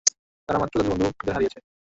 তারা মাত্র তাদের বন্ধুদের হারিয়েছে।